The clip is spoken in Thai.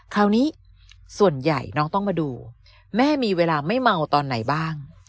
คราวนี้ส่วนใหญ่น้องต้องมาดูแม่มีเวลาไม่เมาตอนไหนบ้าง